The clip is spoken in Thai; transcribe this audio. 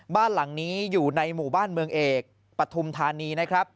บ้านหลังนี้อยู่ในหมู่บ้านเมืองเอกปฐุมธานีนะครับ